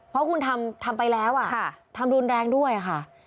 เพราะคุณทำไปแล้วทำรุนแรงด้วยค่ะ